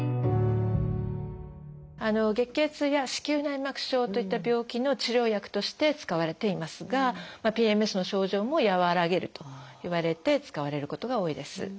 月経痛や子宮内膜症といった病気の治療薬として使われていますがＰＭＳの症状も和らげるといわれて使われることが多いです。